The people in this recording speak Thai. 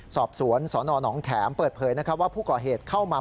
สอบสวนสนหนองแขมเปิดเผยว่าผู้ก่อเหตุเข้ามา